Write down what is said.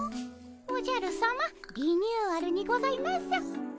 おじゃるさまリニューアルにございます。